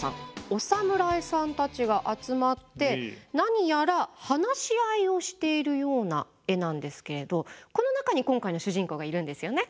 お侍さんたちが集まって何やら話し合いをしているような絵なんですけれどこの中に今回の主人公がいるんですよね。